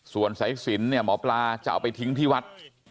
ส่วนสายสินเนี่ยหมอปลาจะเอาไปทิ้งที่วัด